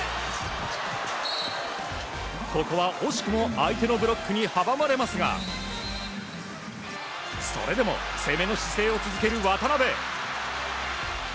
ここは惜しくも相手のブロックに阻まれますがそれでも攻めの姿勢を続ける渡邊。